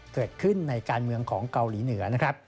เกิดขึ้นในการเมืองของเกาหลีเหนือนะครับ